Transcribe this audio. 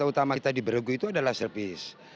yang pertama kita diberugik itu adalah servis